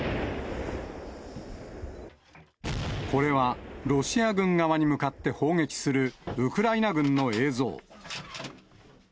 これは、ロシア軍側に向かって砲撃するウクライナ軍の映像。